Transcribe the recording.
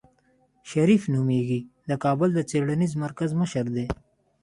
شريف نومېږي د کابل د څېړنيز مرکز مشر دی.